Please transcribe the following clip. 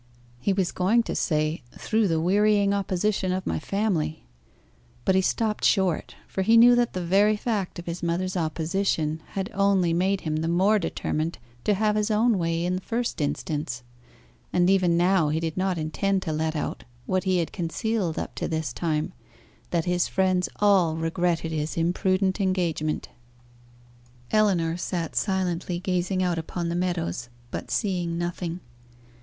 He was going to say "through the wearying opposition of my family," but he stopped short, for he knew that the very fact of his mother's opposition had only made him the more determined to have his own way in the first instance; and even now he did not intend to let out, what he had concealed up to this time, that his friends all regretted his imprudent engagement. Ellinor sat silently gazing out upon the meadows, but seeing nothing.